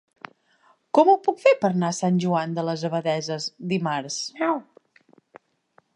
Com ho puc fer per anar a Sant Joan de les Abadesses dimarts?